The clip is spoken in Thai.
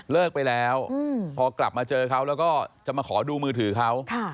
ไปแล้วพอกลับมาเจอเขาแล้วก็จะมาขอดูมือถือเขา